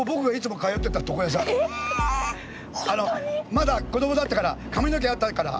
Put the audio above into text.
まだ子供だったから髪の毛あったから。